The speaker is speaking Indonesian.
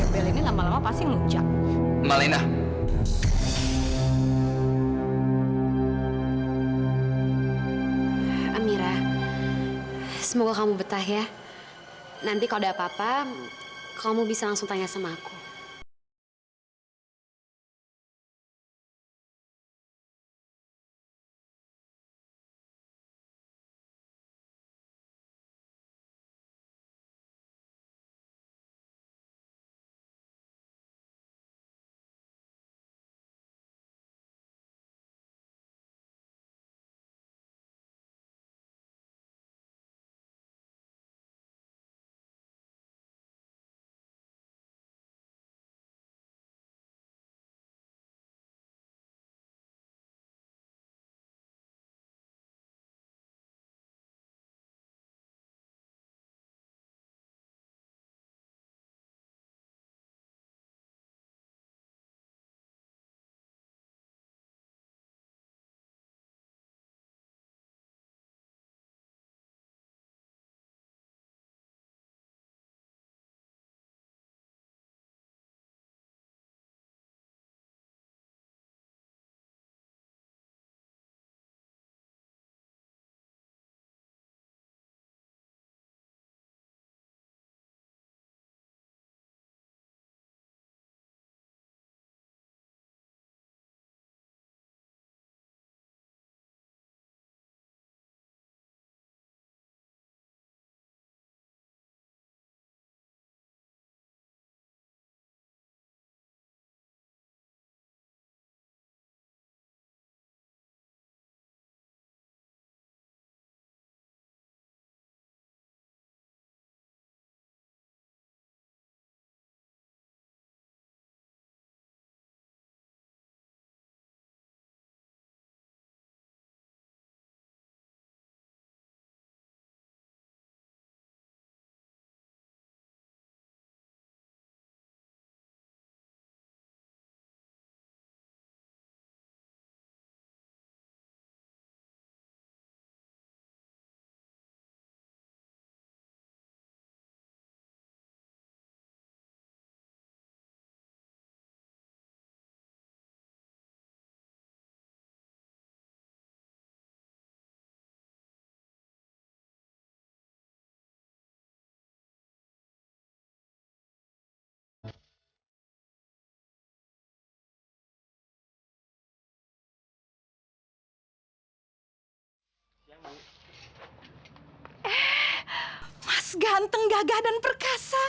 bel ini lama lama pasti ngeluncak